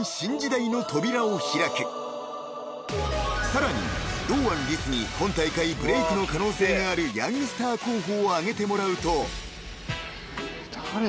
［さらに堂安律に今大会ブレイクの可能性があるヤングスター候補を挙げてもらうと］